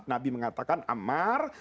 nabi mengatakan ammar